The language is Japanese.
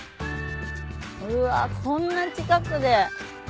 うわこんな近くで。